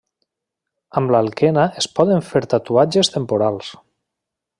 Amb l'alquena es poden fer tatuatges temporals.